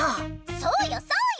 そうよそうよ！